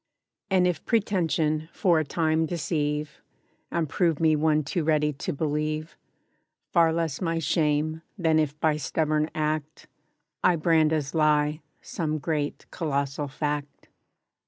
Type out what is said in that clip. And if pretention for a time deceive, And prove me one too ready to believe, Far less my shame, than if by stubborn act, I brand as lie, some great colossal Fact.